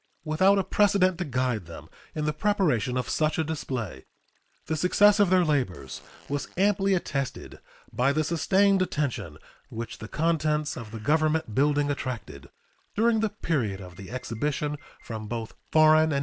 Without a precedent to guide them in the preparation of such a display, the success of their labors was amply attested by the sustained attention which the contents of the Government building attracted during the period of the exhibition from both foreign and native visitors.